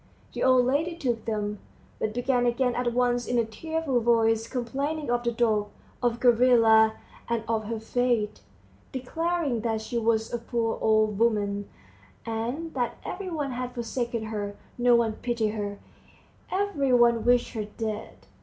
The old lady took them, but began again at once in a tearful voice complaining of the dog, of Gavrila, and of her fate, declaring that she was a poor old woman, and that every one had forsaken her, no one pitied her, every one wished her dead.